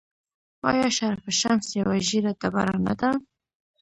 آیا شرف الشمس یوه ژیړه ډبره نه ده؟